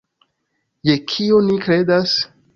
Je kio ni kredas?